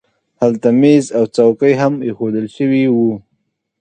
هلته مېز او څوکۍ هم اېښودل شوي وو